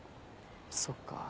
そっか。